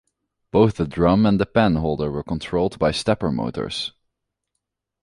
Both the drum and the pen holder were controlled by stepper motors.